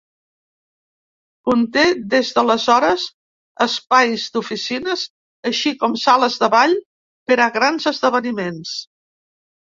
Conté des d'aleshores espais d'oficines, així com sales de ball per a grans esdeveniments.